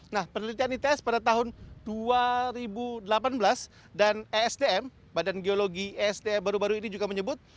nah penelitian its pada tahun dua ribu delapan belas dan esdm badan geologi esdm baru baru ini juga menyebut